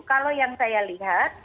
kalau yang saya lihat